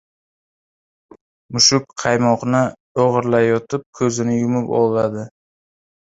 • Mushuk qaymoqni o‘g‘irlayotib ko‘zini yumib oladi.